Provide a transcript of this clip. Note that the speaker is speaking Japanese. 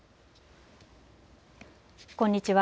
こんにちは。